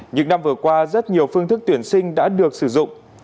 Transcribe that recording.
những năm vừa qua rất nhiều phương thức tuyển sinh đã được sử dụng